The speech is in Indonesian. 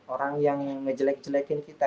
orang yang ngejelek jelekin kita